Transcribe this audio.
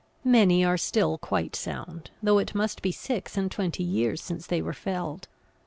Many are still quite sound, though it must be six and twenty years since they were felled.